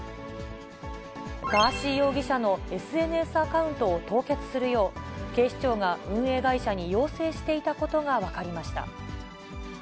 ガーシー容疑者のＳＮＳアカウントを凍結するよう、警視庁が運営会社に要請していたことが分かりました。